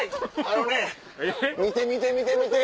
あのね見て見て。